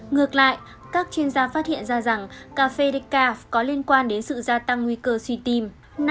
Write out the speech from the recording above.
ngược lại các chuyên gia phát hiện ra rằng cà phê deca có liên quan đến sự gia tăng nguy cơ suy tim